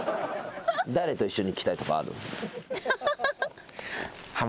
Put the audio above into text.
誰と一緒に行きたいとかある？